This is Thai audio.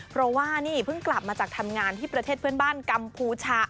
เพราะว่านี่เพิ่งกลับมาจากทำงานที่ประเทศเพื่อนบ้านกัมพูชา